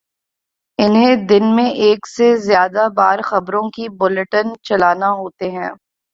انہیں دن میں ایک سے زیادہ بار خبروں کے بلیٹن چلانا ہوتے ہیں۔